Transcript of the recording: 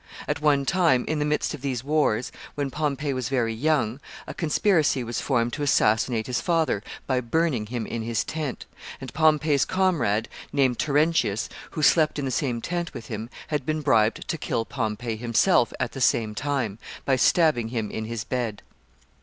At one time, in the midst of these wars, when Pompey was very young, a conspiracy was formed to assassinate his father by burning him in his tent, and Pompey's comrade, named Terentius, who slept in the same tent with him, had been bribed to kill Pompey himself at the same time, by stabbing him in his bed.